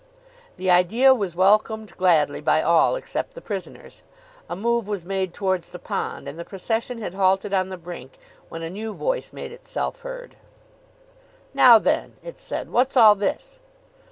The idea was welcomed gladly by all, except the prisoners. A move was made towards the pond, and the procession had halted on the brink, when a new voice made itself heard. "Now then," it said, "what's all this?"